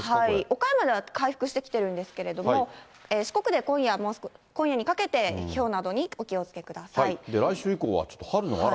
岡山では回復してきてるんですけれども、四国で今夜にかけて来週以降はちょっと春の嵐？